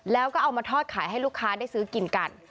แล้วก็เอามาทอดขายให้ลูกค้าได้ซื้อกินกัน